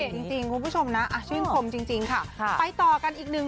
เก่งจริงคุณผู้ชมนะอ่ะชื่นคมจริงค่ะค่ะไปต่อกันอีกหนึ่ง